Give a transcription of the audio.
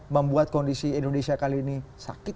membuat kondisi indonesia kali ini sakit